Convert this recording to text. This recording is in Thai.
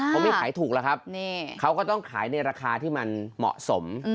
เขาไม่ขายถูกแล้วครับเขาก็ต้องขายในราคาที่มันเหมาะสม